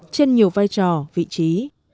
trên nhiều vai trò vị trí